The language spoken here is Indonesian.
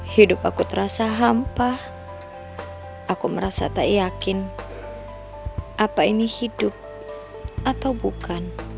hidup aku terasa hampa aku merasa tak yakin apa ini hidup atau bukan